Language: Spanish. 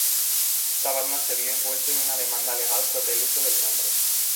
Esta banda se vio envuelto en una demanda legal sobre el uso del nombre.